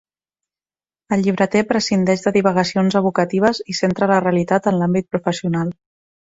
El llibreter prescindeix de divagacions evocatives i centra la realitat en l'àmbit professional.